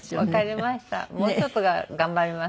もうちょっと頑張ります。